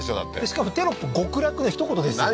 しかもテロップ「極楽」のひと言ですよ何？